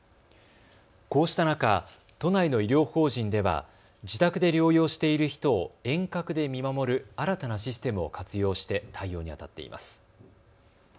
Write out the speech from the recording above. こうした中、都内の医療法人では自宅で療養している人を遠隔で見守る新たなシステムを活用して対応にあたっています。